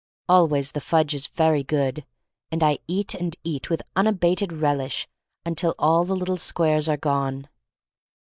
Always the fudge is very good, and I eat and eat with unabated relish until all the little squares are gone.